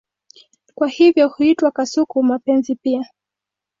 Kwa hivyo huitwa kasuku-mapenzi pia.